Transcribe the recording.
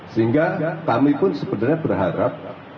sehingga kami pun sebenarnya berharap